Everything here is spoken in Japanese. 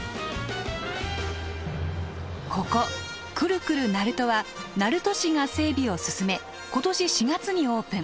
ここ「くるくるなると」は鳴門市が整備を進め今年４月にオープン。